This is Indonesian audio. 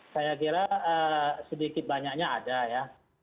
saya kira sedikit banyaknya ada ya